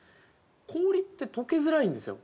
氷って、とけづらいんですよ。